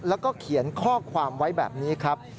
แล้วก็เขียนข้อความไว้แบบนี้ครับ